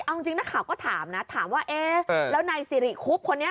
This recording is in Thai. เอาจริงนักข่าวก็ถามนะถามว่าเอ๊ะแล้วนายสิริคุบคนนี้